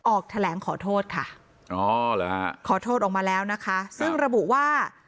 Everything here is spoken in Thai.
ออกแถลงขอโทษค่ะอ๋อเหรอฮะขอโทษออกมาแล้วนะคะซึ่งระบุว่า